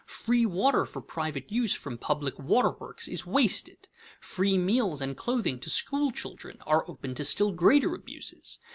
Free water for private use from public waterworks is wasted; free meals and clothing to school children are open to still greater abuses.